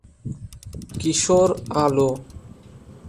কিশোর আলো